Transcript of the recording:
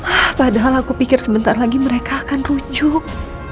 ah padahal aku pikir sebentar lagi mereka akan rujuk